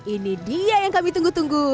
ini dia yang kami tunggu tunggu